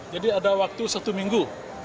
jadi ada waktu satu minggu